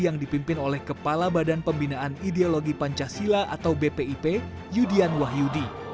yang dipimpin oleh kepala badan pembinaan ideologi pancasila atau bpip yudian wahyudi